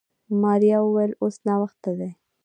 ماريا وويل اوس ناوخته دی.